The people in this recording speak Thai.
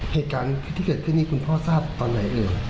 เหตุการณ์ที่เกิดขึ้นนี้คุณพ่อทราบตอนไหนเอ่ย